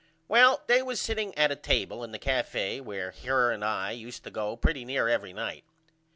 Well they was setting at a table in the cafe where her and I use to go pretty near every night.